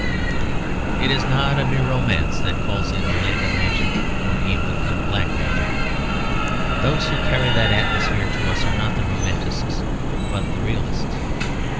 It is not a mere romance that calls it a land of magic, or even of black magic. Those who carry that atmosphere to us are not the romanticists but the realists.